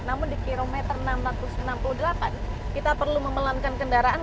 namun di kilometer enam ratus enam puluh delapan kita perlu memelankan kendaraan